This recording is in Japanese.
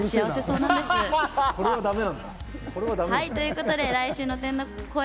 ということで来週の天の声